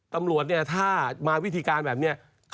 ตำรวจเนี่ยถ้ามาวิธีการแบบนี้